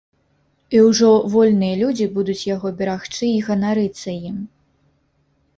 І ўжо вольныя людзі будуць яго берагчы й ганарыцца ім.